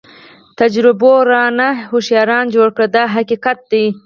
تجربو رانه هوښیاران جوړ کړل دا حقیقت دی.